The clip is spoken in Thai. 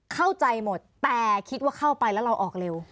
เข้าใจหมดแต่คิดว่าเข้าไปแล้วเราออกเร็ว